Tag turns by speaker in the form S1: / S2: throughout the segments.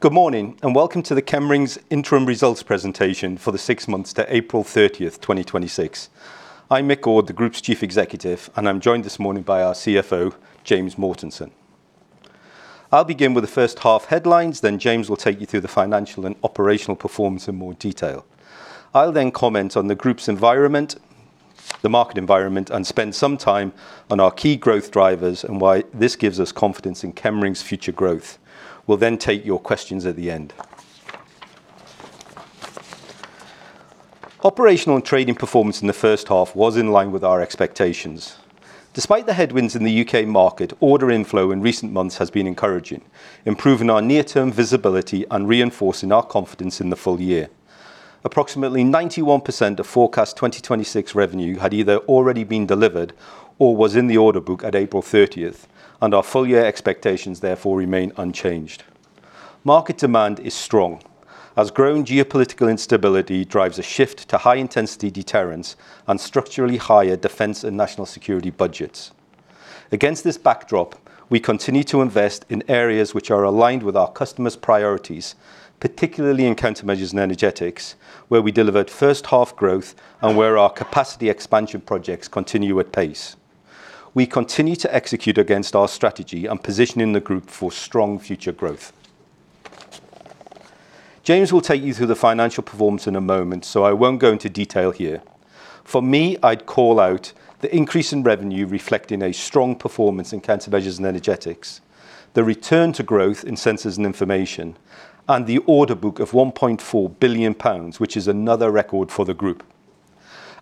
S1: Good morning, welcome to the Chemring's interim results presentation for the six months to April 30th, 2026. I'm Michael Ord, the Group's Chief Executive, I'm joined this morning by our CFO, James Mortensen. I'll begin with the first half headlines, James will take you through the financial and operational performance in more detail. I'll comment on the group's environment, the market environment, spend some time on our key growth drivers and why this gives us confidence in Chemring's future growth. We'll take your questions at the end. Operational and trading performance in the first half was in line with our expectations. Despite the headwinds in the U.K. market, order inflow in recent months has been encouraging, improving our near-term visibility and reinforcing our confidence in the full year. Approximately 91% of forecast 2026 revenue had either already been delivered or was in the order book at April 30th. Our full-year expectations therefore remain unchanged. Market demand is strong, as growing geopolitical instability drives a shift to high-intensity deterrence and structurally higher defense and national security budgets. Against this backdrop, we continue to invest in areas which are aligned with our customers' priorities, particularly in Countermeasures & Energetics, where we delivered first half growth and where our capacity expansion projects continue at pace. We continue to execute against our strategy and positioning the group for strong future growth. James will take you through the financial performance in a moment. I won't go into detail here. For me, I'd call out the increase in revenue reflecting a strong performance in Countermeasures & Energetics, the return to growth in Sensors and Information, and the order book of 1.4 billion pounds, which is another record for the group.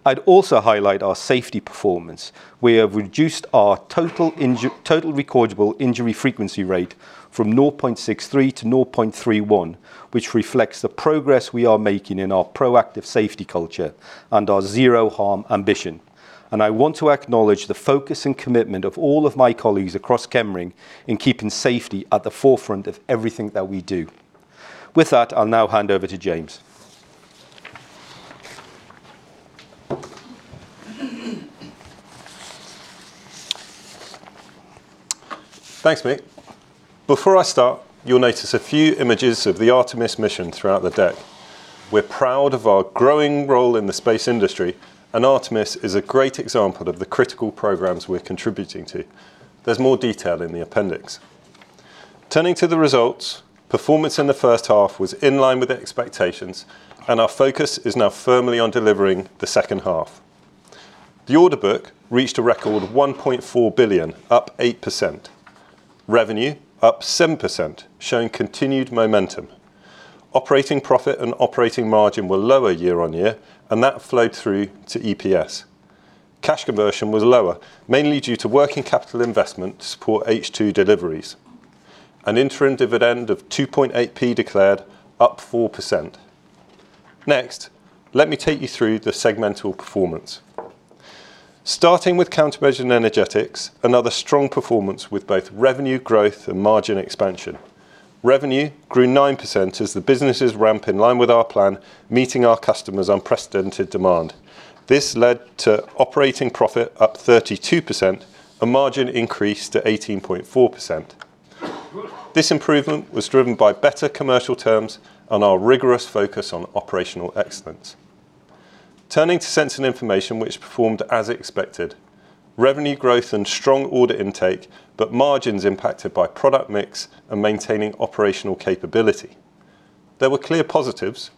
S1: I'd also highlight our safety performance. We have reduced our total recordable injury frequency rate from 0.63 to 0.31, which reflects the progress we are making in our proactive safety culture and our zero harm ambition. I want to acknowledge the focus and commitment of all of my colleagues across Chemring in keeping safety at the forefront of everything that we do. With that, I'll now hand over to James.
S2: Thanks, Mick. Before I start, you'll notice a few images of the Artemis mission throughout the deck. We're proud of our growing role in the space industry, and Artemis is a great example of the critical programs we're contributing to. There's more detail in the appendix. Turning to the results, performance in the first half was in line with the expectations, and our focus is now firmly on delivering the second half. The order book reached a record of 1.4 billion, up 8%. Revenue, up 7%, showing continued momentum. Operating profit and operating margin were lower year-on-year, and that flowed through to EPS. Cash conversion was lower, mainly due to working capital investment to support H2 deliveries. An interim dividend of 0.028 declared, up 4%. Next, let me take you through the segmental performance. Starting with Countermeasures & Energetics, another strong performance with both revenue growth and margin expansion. Revenue grew 9% as the businesses ramp in line with our plan, meeting our customers' unprecedented demand. This led to operating profit up 32%, a margin increase to 18.4%. This improvement was driven by better commercial terms and our rigorous focus on operational excellence. Turning to Sensors and Information, which performed as expected. Revenue growth and strong order intake, margins impacted by product mix and maintaining operational capability. There were clear positives.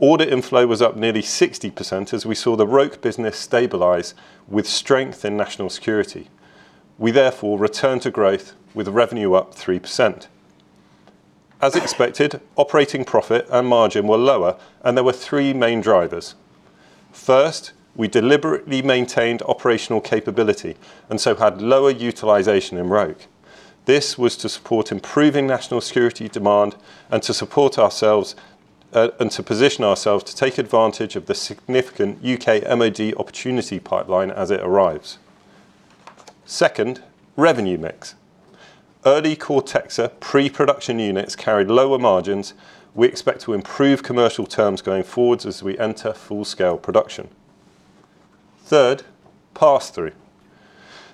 S2: Order inflow was up nearly 60% as we saw the Roke business stabilize with strength in national security. We therefore return to growth with revenue up 3%. As expected, operating profit and margin were lower, there were three main drivers. First, we deliberately maintained operational capability and so had lower utilization in Roke. This was to support improving national security demand and to position ourselves to take advantage of the significant UK MoD opportunity pipeline as it arrives. Second, revenue mix. Early CORTEXA pre-production units carried lower margins. We expect to improve commercial terms going forwards as we enter full-scale production. Third, pass-through.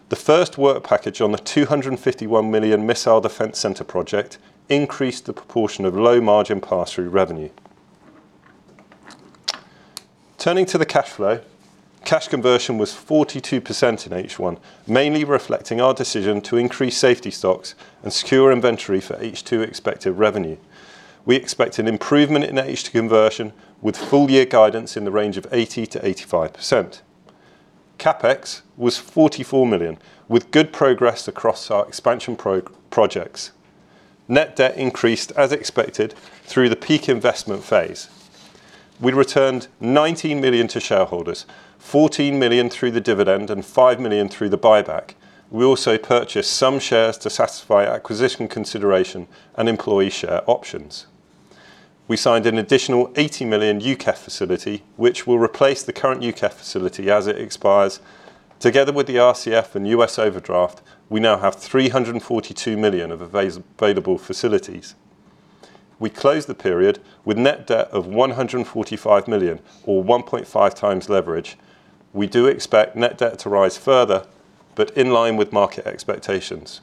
S2: The first work package on the 251 million Missile Defence Centre project increased the proportion of low-margin pass-through revenue. Turning to the cash flow, cash conversion was 42% in H1, mainly reflecting our decision to increase safety stocks and secure inventory for H2 expected revenue. We expect an improvement in H2 conversion with full year guidance in the range of 80%-85%. CapEx was 44 million, with good progress across our expansion projects. Net debt increased as expected through the peak investment phase. We returned 19 million to shareholders, 14 million through the dividend and 5 million through the buyback. We also purchased some shares to satisfy acquisition consideration and employee share options. We signed an additional 80 million UKEF facility, which will replace the current UKEF facility as it expires. Together with the RCF and US overdraft, we now have 342 million of available facilities. We closed the period with net debt of 145 million or 1.5 times leverage. We do expect net debt to rise further In line with market expectations.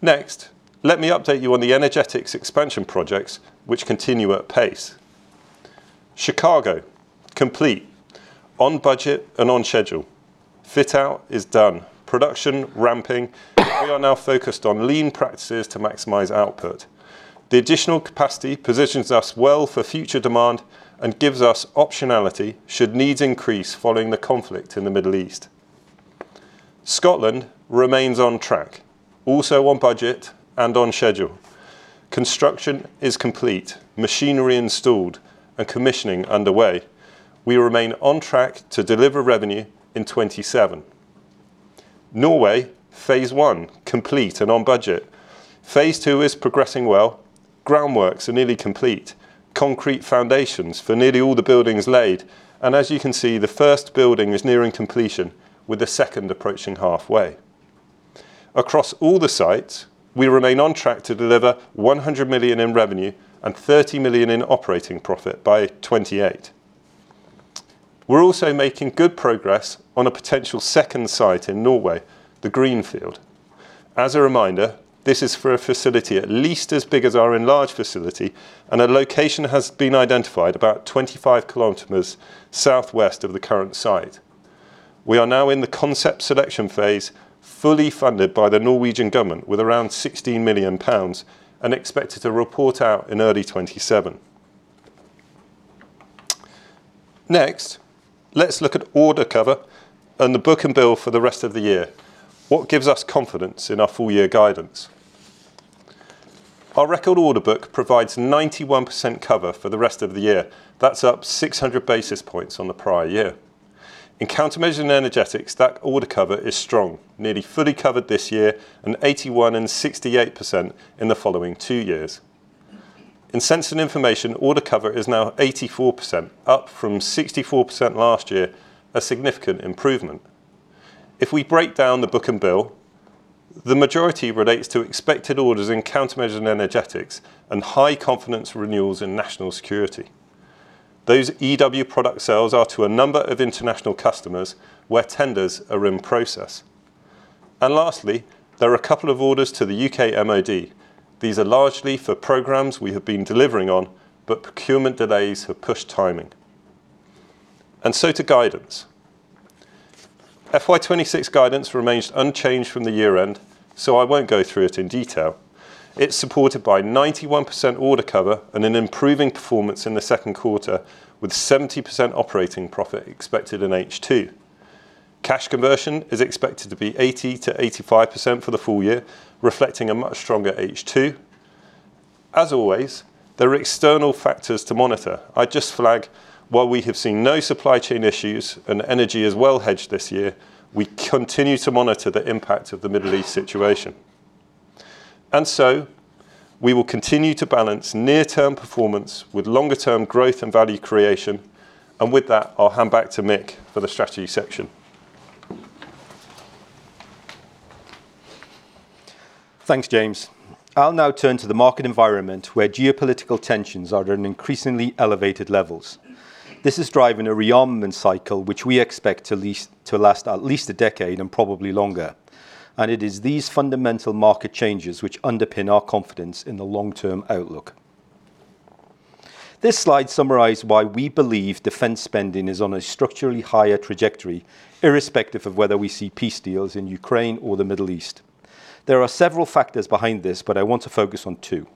S2: Next, let me update you on the energetics expansion projects, which continue at pace. Chicago complete, on budget and on schedule. Fit-out is done, production ramping. We are now focused on lean practices to maximize output. The additional capacity positions us well for future demand and gives us optionality should needs increase following the conflict in the Middle East. Scotland remains on track, also on budget and on schedule. Construction is complete, machinery installed, and commissioning underway. We remain on track to deliver revenue in 2027. Norway phase I complete and on budget. Phase II is progressing well. Groundworks are nearly complete. Concrete foundations for nearly all the buildings laid. As you can see, the first building is nearing completion, with the second approaching halfway. Across all the sites, we remain on track to deliver 100 million in revenue and 30 million in operating profit by 2028. We're also making good progress on a potential second site in Norway, the greenfield. As a reminder, this is for a facility at least as big as our enlarged facility, and a location has been identified about 25 kilometers southwest of the current site. We are now in the concept selection phase, fully funded by the Norwegian government with around 16 million pounds and expected to report out in early 2027. Next, let's look at order cover and the book and bill for the rest of the year. What gives us confidence in our full year guidance? Our record order book provides 91% cover for the rest of the year. That's up 600 basis points on the prior year. In Countermeasures & Energetics, that order cover is strong, nearly fully covered this year and 81% and 68% in the following two years. In Sensors and Information, order cover is now 84%, up from 64% last year, a significant improvement. If we break down the book and bill, the majority relates to expected orders in Countermeasures & Energetics and high confidence renewals in national security. Those EW product sales are to a number of international customers where tenders are in process. Lastly, there are a couple of orders to the U.K. Ministry of Defence. These are largely for programs we have been delivering on, but procurement delays have pushed timing. To guidance. FY 2026 guidance remains unchanged from the year-end, so I won't go through it in detail. It's supported by 91% order cover and an improving performance in the second quarter, with 70% operating profit expected in H2. Cash conversion is expected to be 80%-85% for the full year, reflecting a much stronger H2. As always, there are external factors to monitor. I just flag, while we have seen no supply chain issues and energy is well hedged this year, we continue to monitor the impact of the Middle East situation. We will continue to balance near-term performance with longer-term growth and value creation. With that, I'll hand back to Mick for the strategy section.
S1: Thanks, James. I'll now turn to the market environment where geopolitical tensions are at an increasingly elevated levels. This is driving a rearmament cycle, which we expect to last at least a decade and probably longer. It is these fundamental market changes which underpin our confidence in the long-term outlook. This slide summarizes why we believe defense spending is on a structurally higher trajectory, irrespective of whether we see peace deals in Ukraine or the Middle East. There are several factors behind this, but I want to focus on two.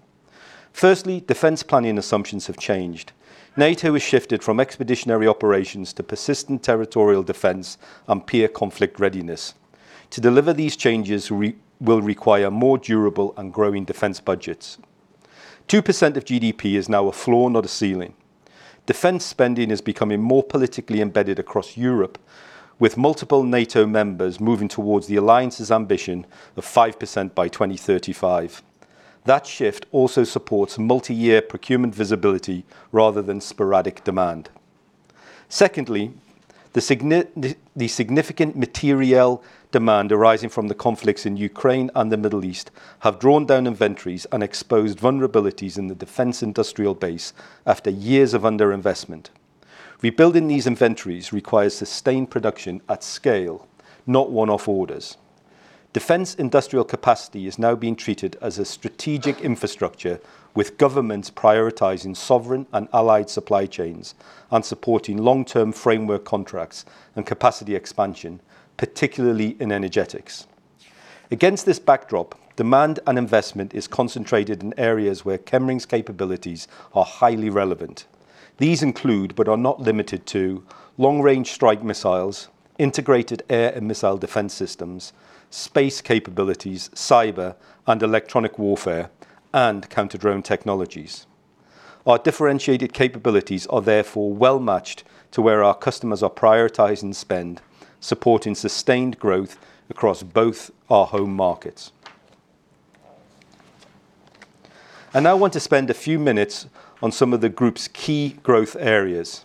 S1: Firstly, defense planning assumptions have changed. NATO has shifted from expeditionary operations to persistent territorial defense and peer conflict readiness. To deliver these changes will require more durable and growing defense budgets. 2% of GDP is now a floor, not a ceiling. Defense spending is becoming more politically embedded across Europe, with multiple NATO members moving towards the alliance's ambition of 5% by 2035. That shift also supports multi-year procurement visibility rather than sporadic demand. Secondly, the significant materiel demand arising from the conflicts in Ukraine and the Middle East have drawn down inventories and exposed vulnerabilities in the defense industrial base after years of underinvestment. Rebuilding these inventories requires sustained production at scale, not one-off orders. Defense industrial capacity is now being treated as a strategic infrastructure, with governments prioritizing sovereign and allied supply chains and supporting long-term framework contracts and capacity expansion, particularly in energetics. Against this backdrop, demand and investment is concentrated in areas where Chemring's capabilities are highly relevant. These include, but are not limited to, long-range strike missiles, integrated air and missile defense systems, space capabilities, cyber and electronic warfare, and counter-drone technologies. Our differentiated capabilities are therefore well-matched to where our customers are prioritizing spend, supporting sustained growth across both our home markets. I now want to spend a few minutes on some of the group's key growth areas.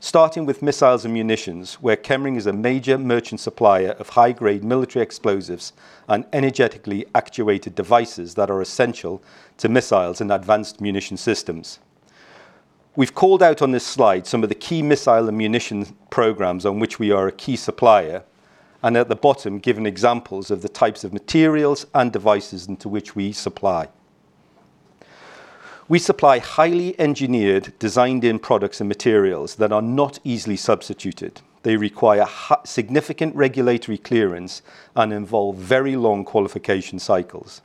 S1: Starting with missiles and munitions, where Chemring is a major merchant supplier of high-grade military explosives and energetically actuated devices that are essential to missiles and advanced munition systems. We've called out on this slide some of the key missile and munitions programs on which we are a key supplier, and at the bottom, given examples of the types of materials and devices into which we supply. We supply highly engineered, designed-in products and materials that are not easily substituted. They require significant regulatory clearance and involve very long qualification cycles.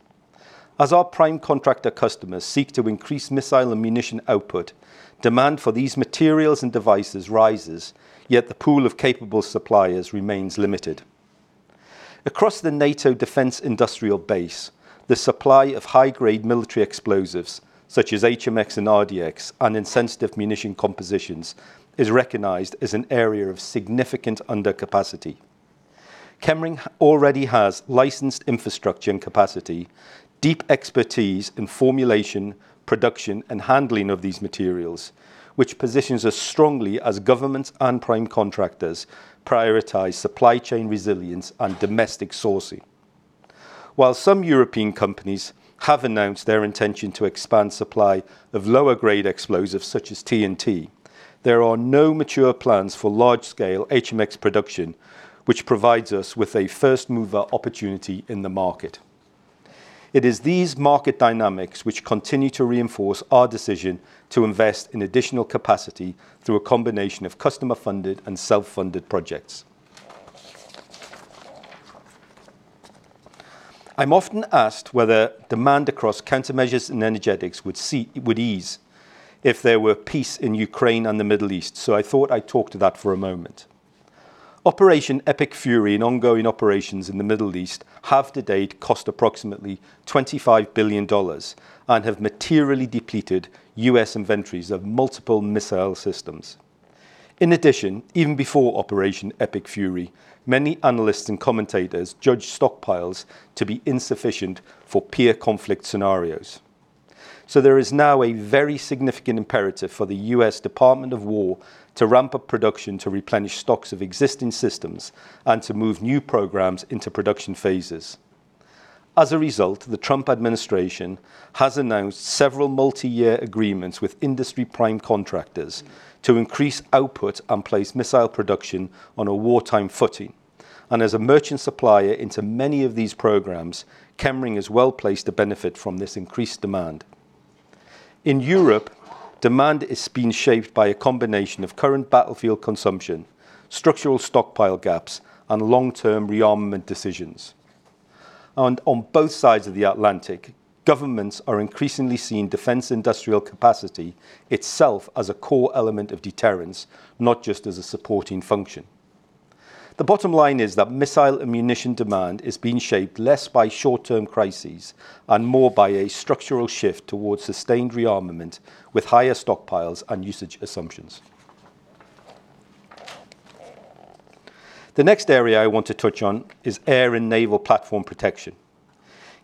S1: As our prime contractor customers seek to increase missile and munition output, demand for these materials and devices rises, yet the pool of capable suppliers remains limited. Across the NATO defense industrial base, the supply of high-grade military explosives, such as HMX and RDX and insensitive munition compositions, is recognized as an area of significant undercapacity. Chemring already has licensed infrastructure and capacity, deep expertise in formulation, production, and handling of these materials, which positions us strongly as governments and prime contractors prioritize supply chain resilience and domestic sourcing. While some European companies have announced their intention to expand supply of lower-grade explosives such as TNT, there are no mature plans for large-scale HMX production, which provides us with a first-mover opportunity in the market. It is these market dynamics which continue to reinforce our decision to invest in additional capacity through a combination of customer-funded and self-funded projects. I'm often asked whether demand across countermeasures and energetics would ease if there were peace in Ukraine and the Middle East, so I thought I'd talk to that for a moment. Operation Epic Fury and ongoing operations in the Middle East have to date cost approximately $25 billion, and have materially depleted U.S. inventories of multiple missile systems. In addition, even before Operation Epic Fury, many analysts and commentators judged stockpiles to be insufficient for peer conflict scenarios. There is now a very significant imperative for the U.S. Department of Defense to ramp up production to replenish stocks of existing systems and to move new programs into production phases. As a result, the Trump administration has announced several multiyear agreements with industry prime contractors to increase output and place missile production on a wartime footing. As a merchant supplier into many of these programs, Chemring is well-placed to benefit from this increased demand. In Europe, demand is being shaped by a combination of current battlefield consumption, structural stockpile gaps, and long-term rearmament decisions. On both sides of the Atlantic, governments are increasingly seeing defense industrial capacity itself as a core element of deterrence, not just as a supporting function. The bottom line is that missile ammunition demand is being shaped less by short-term crises and more by a structural shift towards sustained rearmament with higher stockpiles and usage assumptions. The next area I want to touch on is air and naval platform protection.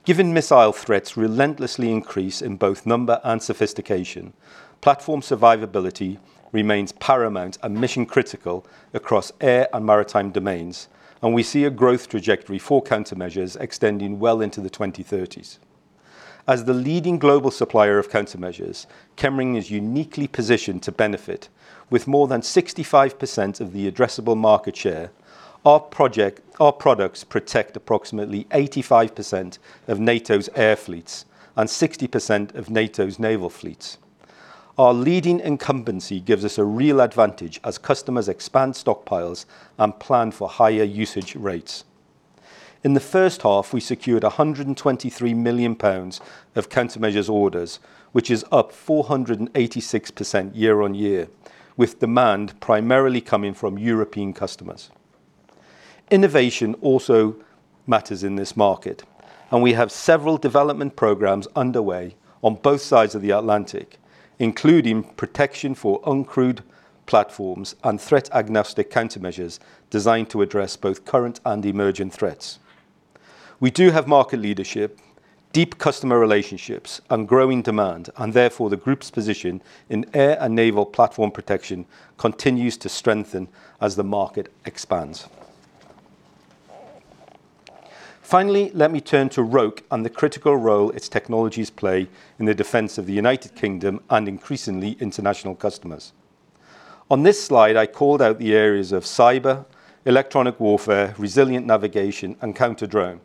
S1: Given missile threats relentlessly increase in both number and sophistication, platform survivability remains paramount and mission-critical across air and maritime domains, and we see a growth trajectory for countermeasures extending well into the 2030s. As the leading global supplier of countermeasures, Chemring is uniquely positioned to benefit. With more than 65% of the addressable market share, our products protect approximately 85% of NATO's air fleets and 60% of NATO's naval fleets. Our leading incumbency gives us a real advantage as customers expand stockpiles and plan for higher usage rates. In the first half, we secured 123 million pounds of countermeasures orders, which is up 486% year-over-year, with demand primarily coming from European customers. Innovation also matters in this market, and we have several development programs underway on both sides of the Atlantic, including protection for uncrewed platforms and threat-agnostic countermeasures designed to address both current and emerging threats. Therefore, the group's position in air and naval platform protection continues to strengthen as the market expands. Finally, let me turn to Roke and the critical role its technologies play in the defense of the U.K. and, increasingly, international customers. On this slide, I called out the areas of cyber, electronic warfare, resilient navigation, and counter-drone,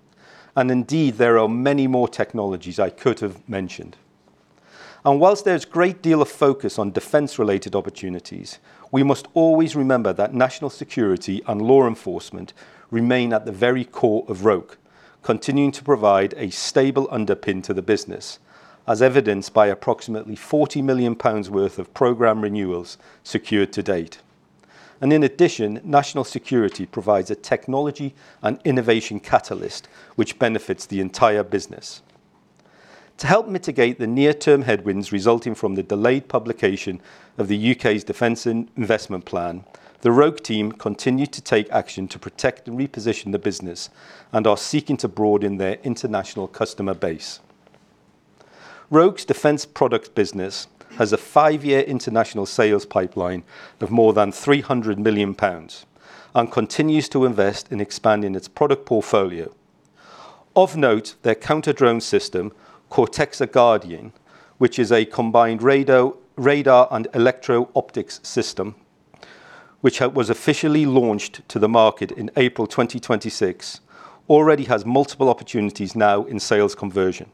S1: indeed, there are many more technologies I could have mentioned. Whilst there's a great deal of focus on defense-related opportunities, we must always remember that national security and law enforcement remain at the very core of Roke, continuing to provide a stable underpin to the business, as evidenced by approximately 40 million pounds worth of program renewals secured to date. In addition, national security provides a technology and innovation catalyst which benefits the entire business. To help mitigate the near-term headwinds resulting from the delayed publication of the U.K.'s Defence Investment Plan, the Roke team continue to take action to protect and reposition the business and are seeking to broaden their international customer base. Roke's defence products business has a five-year international sales pipeline of more than 300 million pounds and continues to invest in expanding its product portfolio. Of note, their counter-drone system, CORTEXA GUARDIAN, which is a combined radar and electro-optics system, which was officially launched to the market in April 2026, already has multiple opportunities now in sales conversion.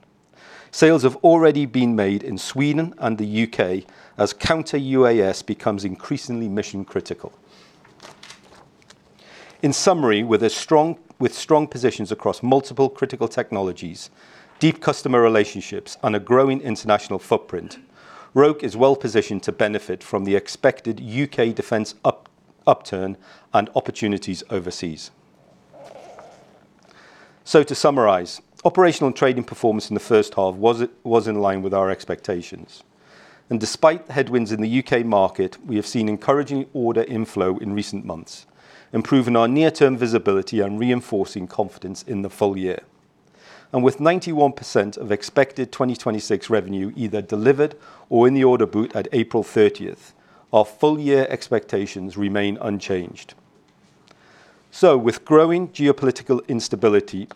S1: Sales have already been made in Sweden and the U.K., as counter-UAS becomes increasingly mission-critical. In summary, with strong positions across multiple critical technologies, deep customer relationships, and a growing international footprint, Roke is well-positioned to benefit from the expected U.K. defence upturn and opportunities overseas. To summarize, operational trading performance in the first half was in line with our expectations. Despite headwinds in the U.K. market, we have seen encouraging order inflow in recent months, improving our near-term visibility and reinforcing confidence in the full year. With 91% of expected 2026 revenue either delivered or in the order book at April 30th, our full-year expectations remain unchanged. With growing geopolitical instability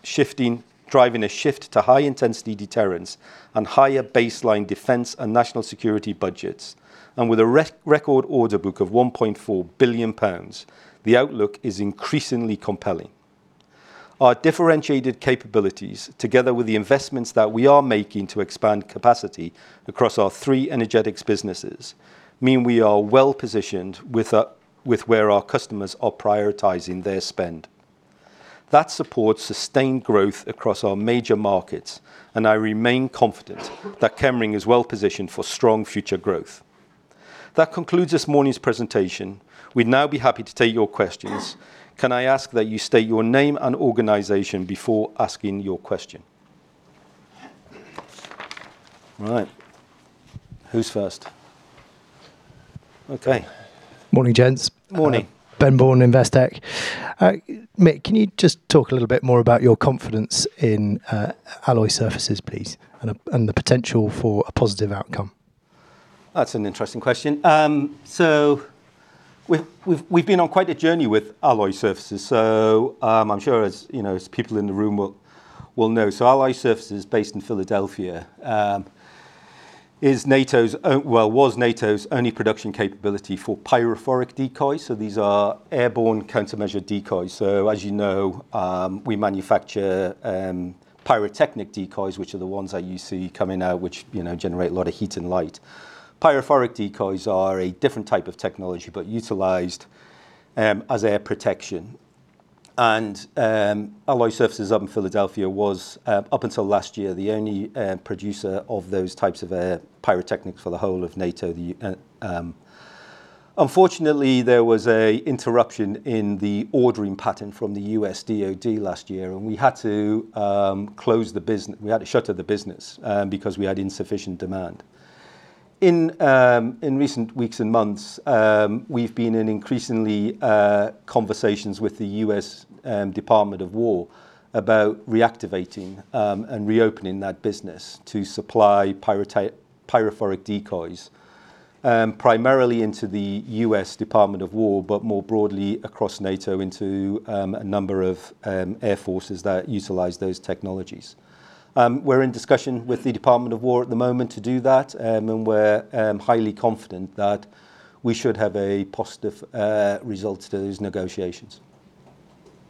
S1: driving a shift to high-intensity deterrence and higher baseline defense and national security budgets, and with a record order book of 1.4 billion pounds, the outlook is increasingly compelling. Our differentiated capabilities, together with the investments that we are making to expand capacity across our three energetics businesses, mean we are well positioned with where our customers are prioritizing their spend. That supports sustained growth across our major markets. I remain confident that Chemring is well positioned for strong future growth. That concludes this morning's presentation. We'd now be happy to take your questions. Can I ask that you state your name and organization before asking your question? Right. Who's first? Okay.
S3: Morning, gents.
S1: Morning.
S3: Ben Bourne, Investec. Mick, can you just talk a little bit more about your confidence in Alloy Surfaces, please, and the potential for a positive outcome?
S1: That's an interesting question. We've been on quite a journey with Alloy Surfaces, I'm sure as people in the room will know. Alloy Surfaces, based in Philadelphia, was NATO's only production capability for pyrophoric decoys. These are airborne countermeasure decoys. As you know, we manufacture pyrotechnic decoys, which are the ones that you see coming out, which generate a lot of heat and light. Pyrophoric decoys are a different type of technology, but utilized as air protection. Alloy Surfaces up in Philadelphia was, up until last year, the only producer of those types of pyrophoric decoys for the whole of NATO. Unfortunately, there was a interruption in the ordering pattern from the U.S. DOD last year, and we had to shutter the business because we had insufficient demand. In recent weeks and months, we've been in increasingly conversations with the U.S. Department of Defense about reactivating and reopening that business to supply pyrophoric decoys, primarily into the U.S. Department of Defense, but more broadly across NATO into a number of air forces that utilize those technologies. We're in discussion with the Department of Defense at the moment to do that, and we're highly confident that we should have a positive result to those negotiations.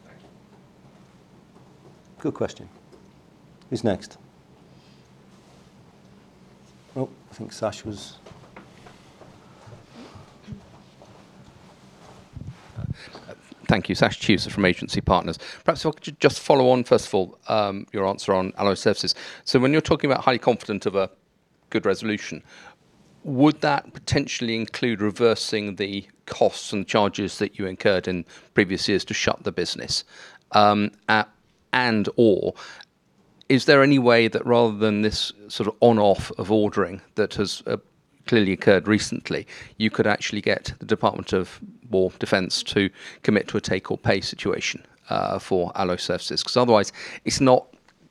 S3: Thank you.
S1: Good question. Who's next? Oh, I think Sash was.
S4: Thank you. Sash Tusa from Agency Partners. Perhaps I could just follow on, first of all, your answer on Alloy Surfaces. When you're talking about highly confident of a good resolution, would that potentially include reversing the costs and charges that you incurred in previous years to shut the business? Is there any way that rather than this sort of on/off of ordering that has clearly occurred recently, you could actually get the Department of Defense to commit to a take-or-pay situation for Alloy Surfaces? Otherwise, it's not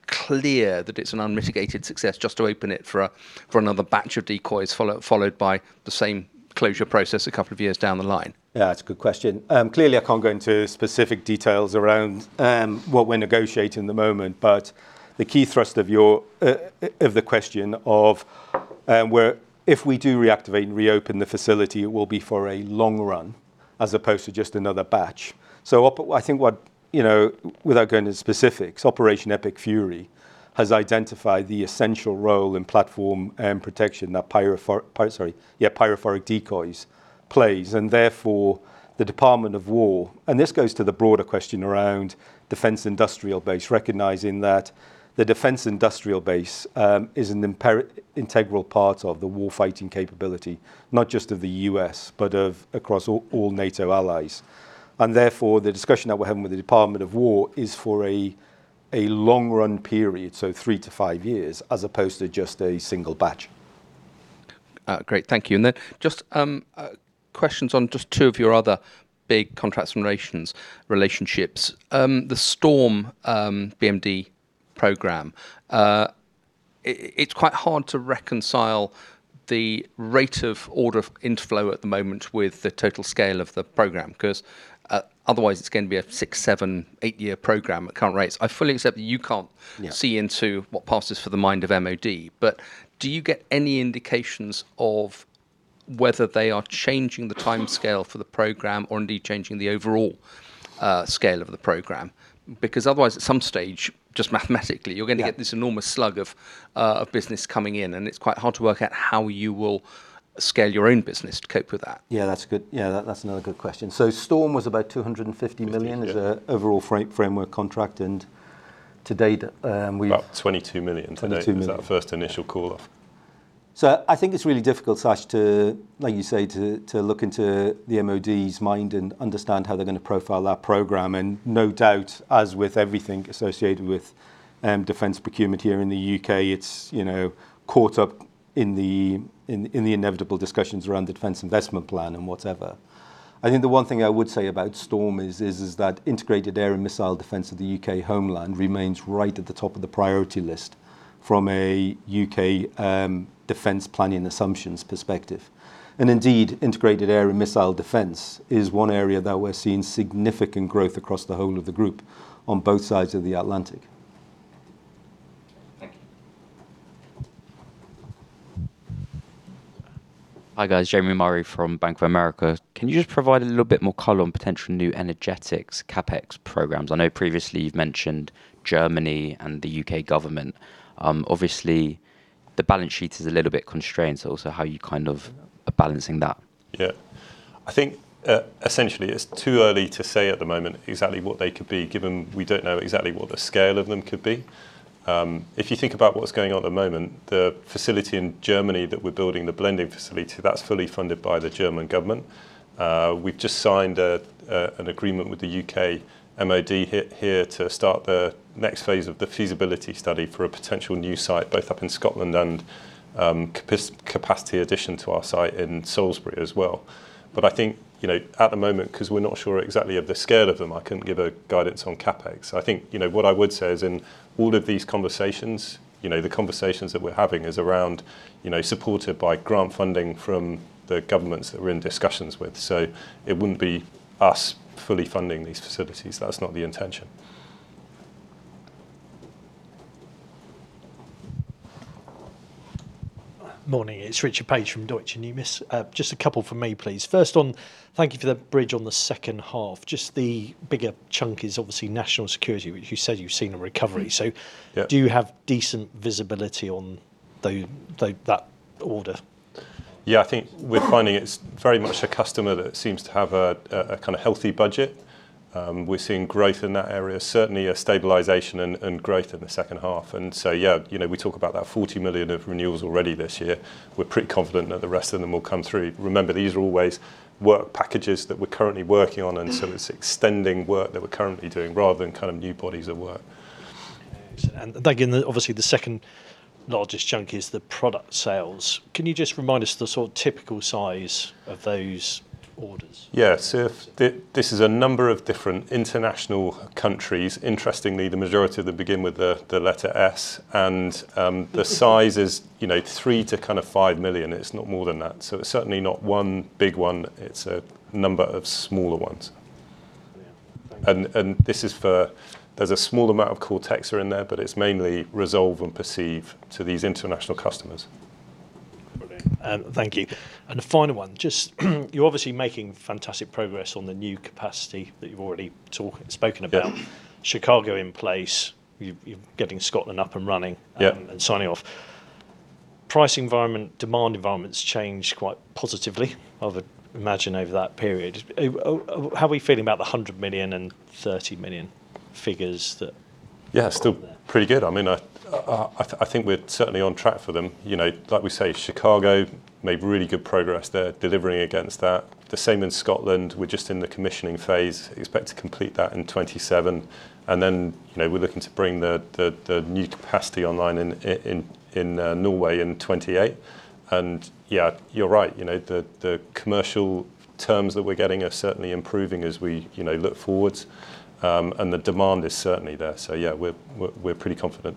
S4: clear that it's an unmitigated success just to open it for another batch of decoys, followed by the same closure process a couple of years down the line.
S1: Yeah, it's a good question. Clearly, I can't go into specific details around what we're negotiating at the moment, but the key thrust of the question of where if we do reactivate and reopen the facility, it will be for a long run as opposed to just another batch. I think, without going into specifics, Operation Epic Fury has identified the essential role in platform protection that pyrophoric decoys plays, and therefore the Department of Defense, and this goes to the broader question around defense industrial base, recognizing that the defense industrial base is an integral part of the war-fighting capability, not just of the U.S., but across all NATO allies. Therefore, the discussion that we're having with the Department of Defense is for a long run period, so three to five years, as opposed to just a single batch.
S4: Great. Thank you. Just questions on just two of your other big contracts and relationships. The STORM BMD program. It's quite hard to reconcile the rate of order inflow at the moment with the total scale of the program, because otherwise it's going to be a six, seven, eight-year program at current rates. I fully accept that you can't see into what passes for the mind of MOD, but do you get any indications of whether they are changing the timescale for the program, or indeed changing the overall scale of the program? Otherwise, at some stage, just mathematically, you're going to get this enormous slug of business coming in, and it's quite hard to work out how you will scale your own business to cope with that.
S2: Yeah, that's another good question. STORM was about 250 million as an overall framework contract and to date.
S4: About 22 million to date. Is that the first initial call off?
S2: I think it's really difficult, Sash, like you say, to look into the MOD's mind and understand how they're going to profile that program. No doubt, as with everything associated with defense procurement here in the U.K., it's caught up in the inevitable discussions around the Defence Investment Plan and whatever. I think the one thing I would say about STORM is that integrated air and missile defense of the U.K. homeland remains right at the top of the priority list from a U.K. defense planning assumptions perspective. Indeed, integrated air and missile defense is one area that we're seeing significant growth across the whole of the Group, on both sides of the Atlantic.
S4: Thank you.
S5: Hi, guys. Jamie Murray from Bank of America. Can you just provide a little bit more color on potential new energetics CapEx programs? I know previously you've mentioned Germany and the UK government. Obviously, the balance sheet is a little bit constrained, so also how are you balancing that?
S2: Yeah. I think, essentially, it's too early to say at the moment exactly what they could be, given we don't know exactly what the scale of them could be. If you think about what's going on at the moment, the facility in Germany that we're building, the blending facility, that's fully funded by the German government. We've just signed an agreement with the UK MOD here to start the next phase of the feasibility study for a potential new site, both up in Scotland and capacity addition to our site in Salisbury as well. I think, at the moment, because we're not sure exactly of the scale of them, I couldn't give a guidance on CapEx. I think what I would say is in all of these conversations, the conversations that we're having is around supported by grant funding from the governments that we're in discussions with. It wouldn't be us fully funding these facilities. That's not the intention.
S6: Morning. It's Richard Paige from Deutsche Numis. A couple from me, please. First on, thank you for the bridge on the second half. The bigger chunk is obviously national security, which you said you've seen a recovery. Do you have decent visibility on that order?
S2: Yeah, I think we're finding it's very much a customer that seems to have a healthy budget. We're seeing growth in that area, certainly a stabilization and growth in the second half. Yeah, we talk about that 40 million of renewals already this year. We're pretty confident that the rest of them will come through. Remember, these are always work packages that we're currently working on, and so it's extending work that we're currently doing rather than new bodies of work.
S6: Again, obviously the second largest chunk is the product sales. Can you just remind us the sort of typical size of those orders?
S2: Yeah. This is a number of different international countries. Interestingly, the majority of them begin with the letter S. The size is 3 million to kind of 5 million. It's not more than that. It's certainly not one big one, it's a number of smaller ones. There's a small amount of CORTEXA in there, but it's mainly Resolve and PERCEIVE to these international customers.
S6: Brilliant. Thank you. A final one. You're obviously making fantastic progress on the new capacity that you've already spoken about. Chicago in place. You're getting Scotland up and running. Signing off. Price environment, demand environments change quite positively, I would imagine, over that period. How are we feeling about the 100 million and 30 million figures that?
S2: Yeah, still pretty good. I think we're certainly on track for them. Like we say, Chicago made really good progress. They're delivering against that. The same in Scotland. We're just in the commissioning phase. Expect to complete that in 2027. Then we're looking to bring the new capacity online in Norway in 2028. Yeah, you're right. The commercial terms that we're getting are certainly improving as we look forwards. The demand is certainly there. Yeah, we're pretty confident.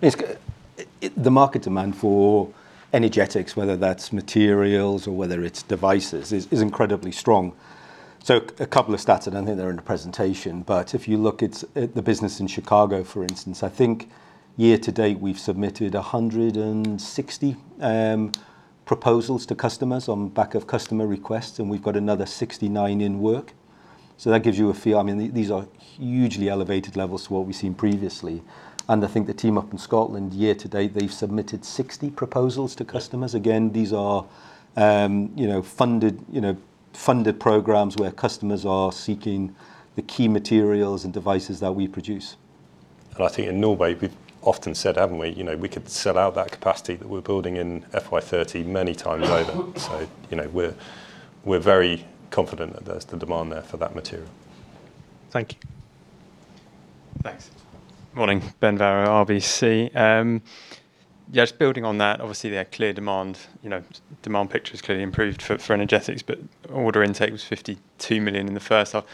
S1: The market demand for energetics, whether that's materials or whether it's devices, is incredibly strong. A couple of stats, and I think they're in the presentation, but if you look at the business in Chicago, for instance, I think year to date, we've submitted 160 proposals to customers on back of customer requests, and we've got another 69 in work. That gives you a feel. These are hugely elevated levels to what we've seen previously. I think the team up in Scotland, year to date, they've submitted 60 proposals to customers. Again, these are funded programs where customers are seeking the key materials and devices that we produce.
S2: I think in Norway, we've often said, haven't we could sell out that capacity that we're building in FY 2030 many times over. We're very confident that there's the demand there for that material.
S6: Thank you.
S2: Thanks.
S7: Morning. Ben Varrow, RBC. Just building on that. Obviously, their clear demand picture has clearly improved for energetics, but order intake was 52 million in the first half.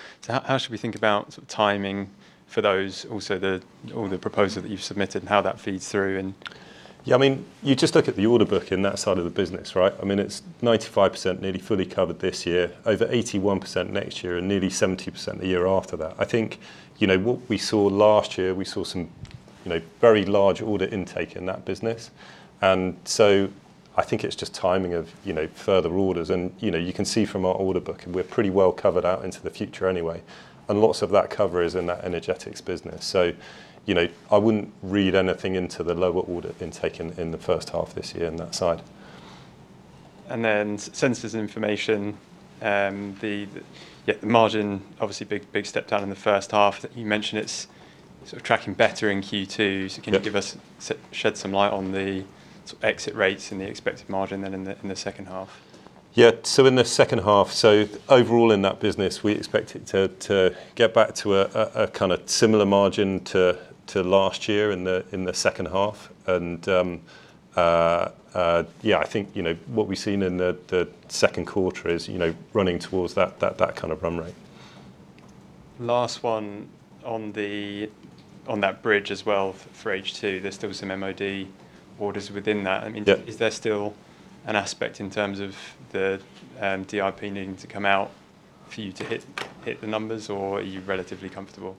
S7: How should we think about sort of timing? For those also all the proposal that you've submitted and how that feeds through.
S2: You just look at the order book in that side of the business, right? It's 95% nearly fully covered this year, over 81% next year, and nearly 70% the year after that. I think, what we saw last year, we saw some very large order intake in that business. I think it's just timing of further orders. You can see from our order book, we're pretty well covered out into the future anyway. Lots of that cover is in that energetics business. I wouldn't read anything into the lower order intake in the first half this year on that side.
S7: Sensors & Information. The margin, obviously big step down in the first half. You mentioned it's sort of tracking better in Q2. Can you shed some light on the exit rates and the expected margin then in the second half?
S2: Yeah. In the second half, so overall in that business, we expect it to get back to a similar margin to last year in the second half. I think, what we've seen in the second quarter is running towards that kind of run rate.
S7: Last one on that bridge as well for H2, there's still some MOD orders within that. Is there still an aspect in terms of the DIP needing to come out for you to hit the numbers, or are you relatively comfortable?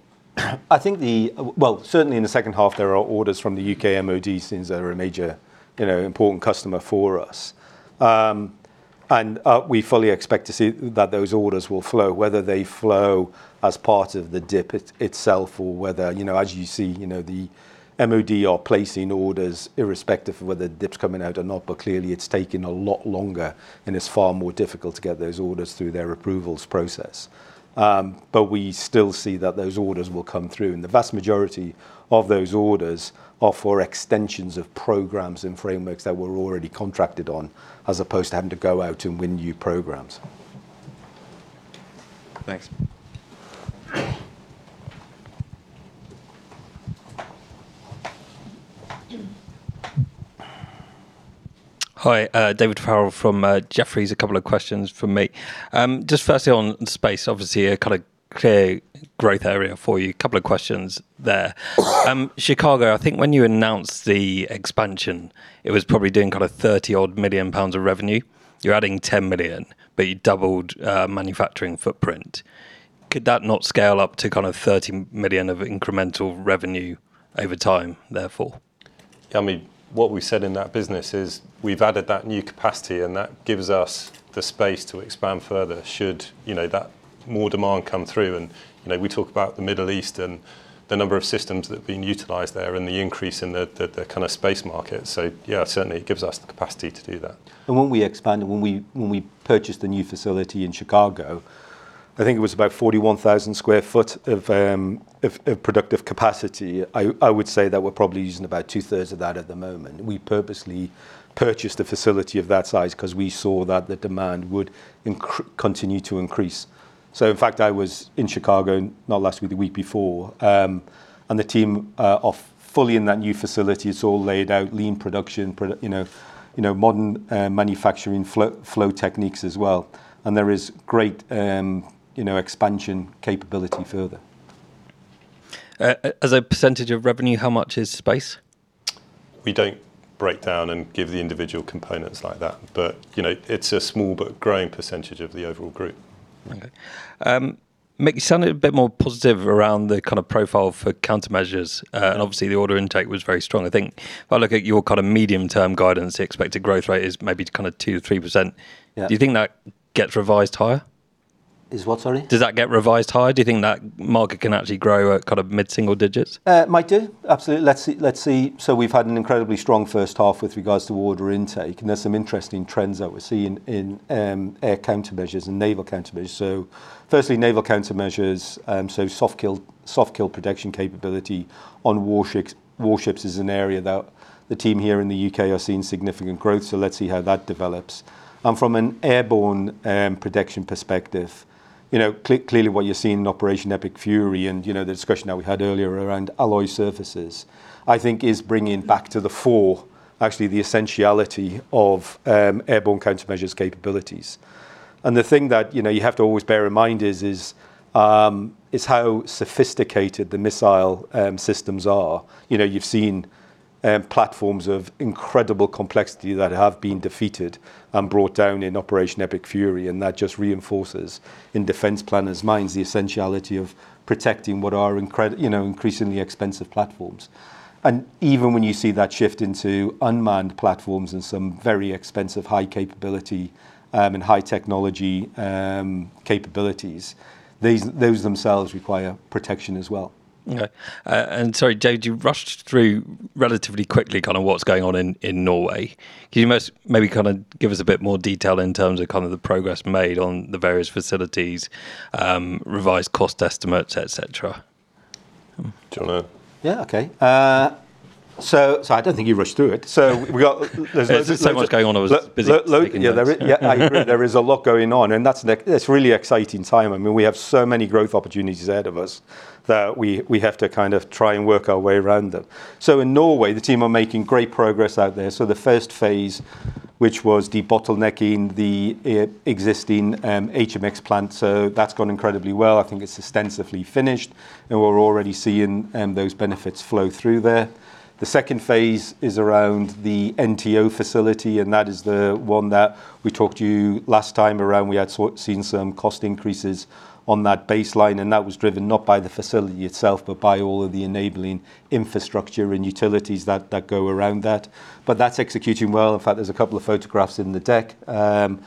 S1: Certainly in the second half, there are orders from the U.K. MOD since they're a major important customer for us. We fully expect to see that those orders will flow, whether they flow as part of the DIP itself or whether, as you see, the MOD are placing orders irrespective of whether DIP's coming out or not. Clearly it's taking a lot longer, and it's far more difficult to get those orders through their approvals process. We still see that those orders will come through, and the vast majority of those orders are for extensions of programs and frameworks that we're already contracted on, as opposed to having to go out and win new programs.
S7: Thanks.
S8: Hi, David Farrell from Jefferies. A couple of questions from me. Just firstly on space, obviously a kind of clear growth area for you. A couple of questions there. Chicago, I think when you announced the expansion, it was probably doing 30-odd million pounds of revenue. You're adding 10 million, but you doubled manufacturing footprint. Could that not scale up to 30 million of incremental revenue over time, therefore?
S2: What we said in that business is we've added that new capacity, and that gives us the space to expand further should more demand come through. We talk about the Middle East and the number of systems that are being utilized there, and the increase in the space market. Yeah, certainly it gives us the capacity to do that.
S1: When we expanded, when we purchased the new facility in Chicago, I think it was about 41,000 square foot of productive capacity. I would say that we're probably using about two-thirds of that at the moment. We purposely purchased a facility of that size because we saw that the demand would continue to increase. In fact, I was in Chicago, not last week, the week before. And the team are fully in that new facility. It's all laid out, lean production, modern manufacturing flow techniques as well. And there is great expansion capability further.
S8: As a percentage of revenue, how much is space?
S2: We don't break down and give the individual components like that. It's a small but growing percentage of the overall group.
S8: You sounded a bit more positive around the kind of profile for countermeasures, and obviously the order intake was very strong. I think if I look at your medium-term guidance, the expected growth rate is maybe 2%-3%. Do you think that gets revised higher?
S1: Is what sorry?
S8: Does that get revised higher? Do you think that market can actually grow at mid-single digits?
S1: It might do. Absolutely. Let's see. We've had an incredibly strong first half with regards to order intake, and there's some interesting trends that we're seeing in air countermeasures and naval countermeasures. Firstly, naval countermeasures, soft-kill protection capability on warships is an area that the team here in the U.K. are seeing significant growth, let's see how that develops. From an airborne protection perspective, clearly what you're seeing in Operation Epic Fury and the discussion that we had earlier around Alloy Surfaces, I think is bringing back to the fore actually the essentiality of airborne countermeasures capabilities. The thing that you have to always bear in mind is how sophisticated the missile systems are. You've seen platforms of incredible complexity that have been defeated and brought down in Operation Epic Fury, that just reinforces in defense planners' minds the essentiality of protecting what are increasingly expensive platforms. Even when you see that shift into unmanned platforms and some very expensive, high capability and high technology capabilities, those themselves require protection as well.
S8: Okay. Sorry, James, you rushed through relatively quickly what's going on in Norway. Can you maybe give us a bit more detail in terms of the progress made on the various facilities, revised cost estimates, et cetera?
S2: Do you want to?
S1: Yeah, okay. I don't think you rushed through it.
S2: There's so much going on, I was busy making notes.
S1: Yeah, I agree. There is a lot going on, and that's really exciting time. We have so many growth opportunities ahead of us that we have to try and work our way around them. In Norway, the team are making great progress out there. The first phase, which was de-bottlenecking the existing HMX plant. That's gone incredibly well. I think it's ostensibly finished, and we're already seeing those benefits flow through there. The second phase is around the NTO facility, and that is the one that we talked to you last time around. We had seen some cost increases on that baseline, and that was driven not by the facility itself, but by all of the enabling infrastructure and utilities that go around that. That's executing well. In fact, there's a couple of photographs in the deck around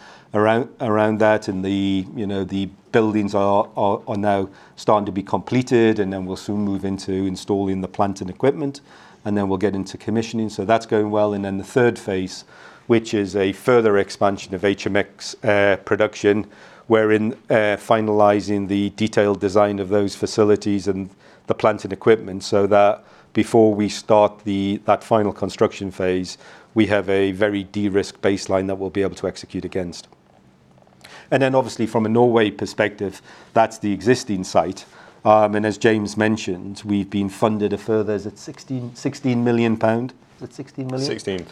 S1: that. The buildings are now starting to be completed. We'll soon move into installing the plant and equipment. We'll get into commissioning. That's going well. The third phase, which is a further expansion of HMX production, we're in finalizing the detailed design of those facilities and the plant and equipment so that before we start that final construction phase, we have a very de-risked baseline that we'll be able to execute against. Obviously from a Norway perspective, that's the existing site. As James mentioned, we've been funded a further, is it 16 million pound? Is it 16 million?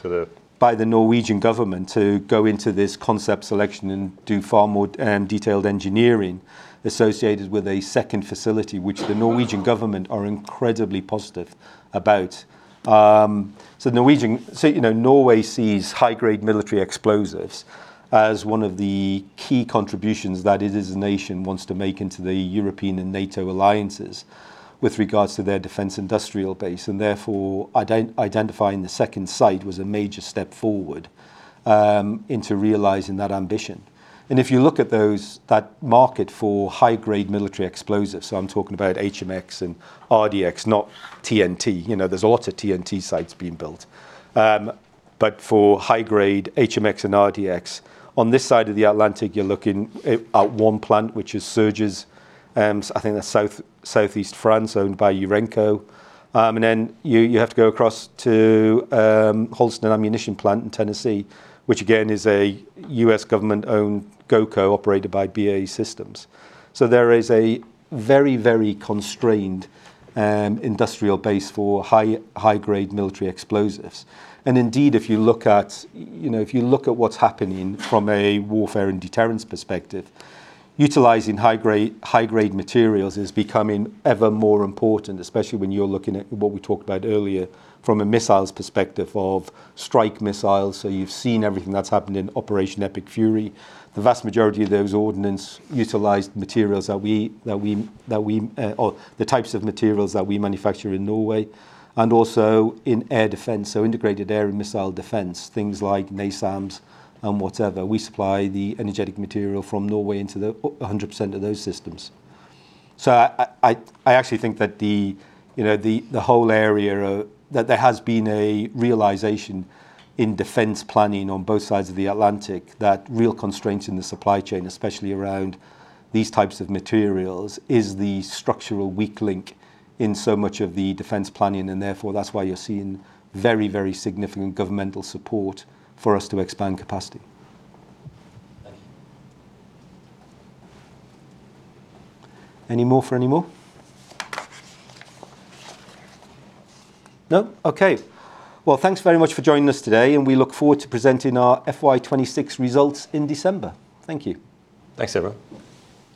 S1: By the Norwegian government to go into this concept selection and do far more detailed engineering associated with a second facility, which the Norwegian government are incredibly positive about. Norway sees high-grade military explosives as one of the key contributions that it as a nation wants to make into the European and NATO alliances with regards to their defense industrial base, and therefore identifying the second site was a major step forward into realizing that ambition. If you look at that market for high-grade military explosives, so I'm talking about HMX and RDX, not TNT. There's lots of TNT sites being built. For high-grade HMX and RDX, on this side of the Atlantic, you're looking at one plant, which is Sorgues, I think that's southeast France, owned by Eurenco. Then you have to go across to Holston Ammunition Plant in Tennessee, which again is a U.S. government-owned GOCO operated by BAE Systems. There is a very, very constrained industrial base for high-grade military explosives. Indeed, if you look at what's happening from a warfare and deterrence perspective, utilizing high-grade materials is becoming ever more important, especially when you're looking at what we talked about earlier from a missiles perspective of strike missiles. You've seen everything that's happened in Operation Epic Fury. The vast majority of those ordnance utilized the types of materials that we manufacture in Norway and also in air defense, so integrated air and missile defense, things like NASAMS and whatever. We supply the energetic material from Norway into 100% of those systems. I actually think that the whole area, that there has been a realization in defense planning on both sides of the Atlantic that real constraints in the supply chain, especially around these types of materials, is the structural weak link in so much of the defense planning, and therefore that's why you're seeing very significant governmental support for us to expand capacity.
S8: Thank you.
S1: Any more for any more? No? Okay. Well, thanks very much for joining us today. We look forward to presenting our FY 2026 results in December. Thank you.
S2: Thanks, everyone.